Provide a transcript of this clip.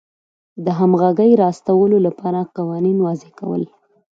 د همغږۍ راوستلو لپاره قوانین وضع کول.